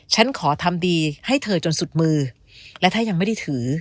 ฉันขอทำดีให้เธอจนสุดมือและถ้ายังไม่ได้ถือ